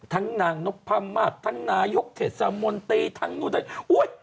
ทั้งนางนกพรรมะทั้งนายกเศรษฐมนตรีทั้งนู่นทั้ง